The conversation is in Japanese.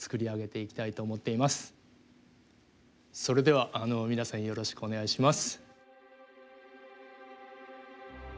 それでは皆さんよろしくお願いします。